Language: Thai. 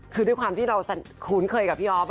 คือด้วยความที่เราคุ้นเคยกับพี่อ๊อฟ